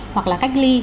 hoặc là cách ly